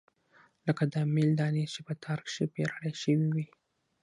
لکه د امېل دانې چې پۀ تار کښې پېرلے شوي وي